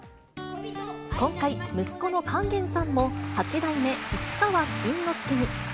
今回、息子の勸玄さんも、八代目市川新之助に。